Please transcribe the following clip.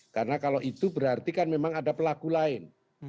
karena kalau itu berarti kan memang ada pelaku lain